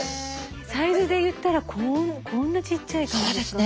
サイズで言ったらこんなちっちゃいじゃないですか。